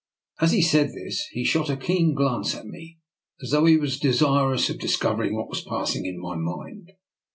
As he said this he shot a keen glance at me, as though he was desirous of discovering what was passing in my mind.